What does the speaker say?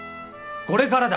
これからだ！